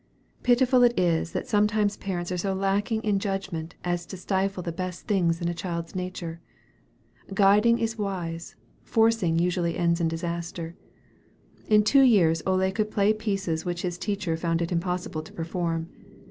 Pitiful it is that sometimes parents are so lacking in judgment as to stifle the best things in a child's nature! Guiding is wise; forcing usually ends in disaster. In two years, Ole could play pieces which his teacher found it impossible to perform.